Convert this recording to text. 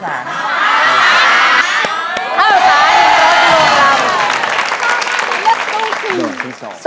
เข้าสาร๑ตัวที่โลกรัม